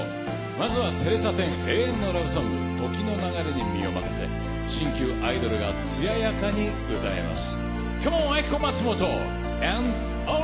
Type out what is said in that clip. まずはテレサ・テン、永遠のラブソング、時の流れに身をまかせ、新旧アイドルがつややかに歌います。